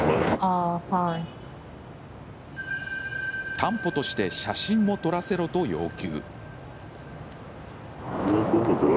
担保として写真も撮らせろと要求。